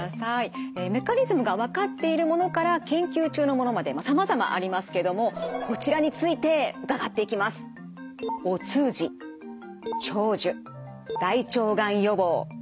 メカニズムが分かっているものから研究中のものまでさまざまありますけれどもこちらについて伺っていきます。